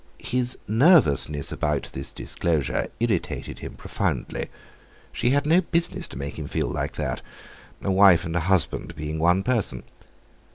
His nervousness about this disclosure irritated him profoundly; she had no business to make him feel like that—a wife and a husband being one person.